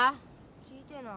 聞いてない。